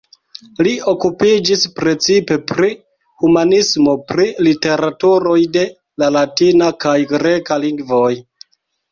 Li okupiĝis precipe pri humanismo, pri literaturoj de la latina kaj greka lingvoj.